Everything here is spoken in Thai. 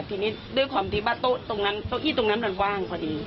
ทีนี้ด้วยความที่ว่าโต๊ะตรงนั้นโต๊ะอี้ตรงนั้นมันว่างพอดี